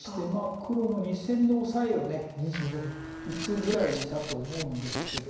黒も２線のオサエを打つぐらいだと思うんですけども。